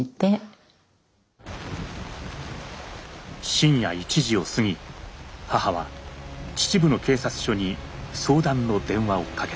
深夜１時をすぎ母は秩父の警察署に相談の電話をかけた。